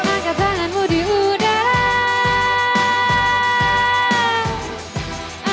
angkat tanganmu di udara